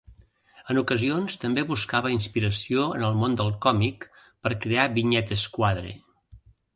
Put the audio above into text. En ocasions també buscava inspiració en el món del còmic per crear vinyetes-quadre.